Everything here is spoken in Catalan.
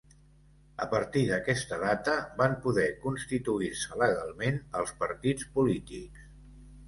A partir d'aquesta data, van poder constituir-se legalment els partits polítics.